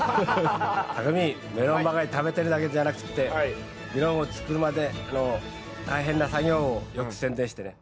たくみメロンばかり食べてるだけじゃなくってメロンを作るまでの大変な作業をよく宣伝してね。